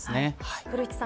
古市さん